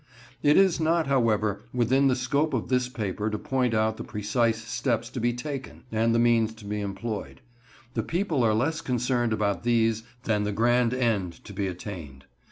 It is not, however, within the scope of this paper to point out the precise steps to be taken, and the means to be employed. The people are less concerned about these than the grand end to be attained.